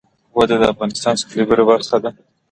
وادي د افغانستان د سیلګرۍ برخه ده.